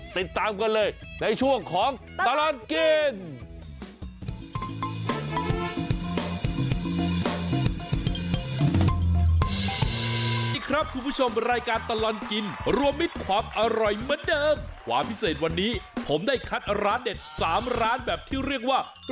ติดตามกันเลยในช่วงของตลอดกิน